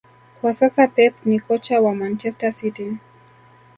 kwa sasa Pep ni kocha wa Manchester City